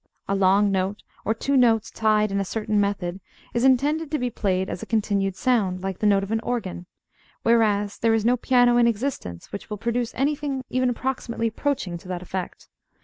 A long note or two notes tied in a certain method is intended to be played as a continued sound, like the note of an organ; whereas there is no piano in existence which will produce anything even approximately approaching to that effect.